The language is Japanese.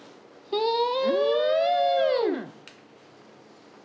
うん。